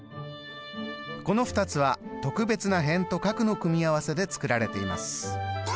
この２つは特別な辺と角の組み合わせで作られています。